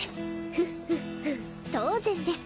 フッフッフッ当然です。